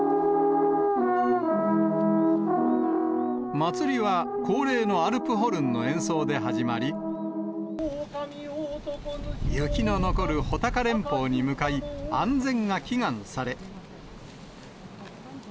祭りは、恒例のアルプホルンの演奏で始まり、雪の残る穂高連峰に向かい、安全が祈願され。